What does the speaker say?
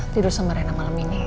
tidur sama rena malam ini